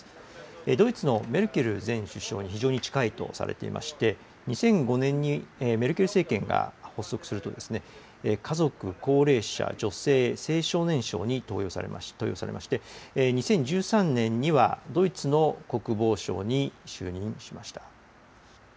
ドイツのメルケル前首相に非常に近いとされていまして、２００５年にメルケル政権が発足すると家族・高齢者・女性・青少年相に登用されまして、２０１３年にはドイツの国防相に就任しま